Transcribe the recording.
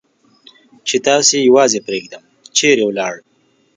چې تاسې یوازې پرېږدم، چېرې ولاړ؟